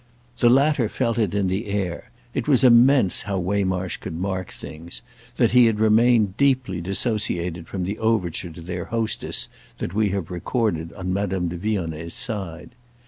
The latter felt it in the air—it was immense how Waymarsh could mark things— that he had remained deeply dissociated from the overture to their hostess that we have recorded on Madame de Vionnet's side.